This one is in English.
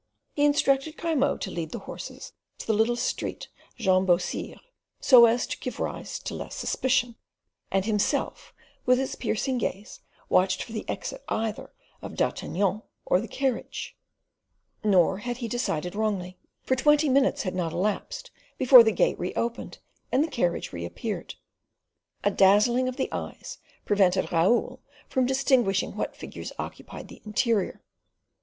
He instructed Grimaud to lead the horses to the little street Jean Beausire, so as to give rise to less suspicion, and himself with his piercing gaze watched for the exit either of D'Artagnan or the carriage. Nor had he decided wrongly; for twenty minutes had not elapsed before the gate reopened and the carriage reappeared. A dazzling of the eyes prevented Raoul from distinguishing what figures occupied the interior.